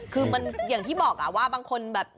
คือมันอย่างที่บอกว่าบางคนแบบ